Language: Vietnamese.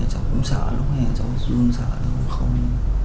cháu cũng sợ lúc này cháu cũng sợ lúc không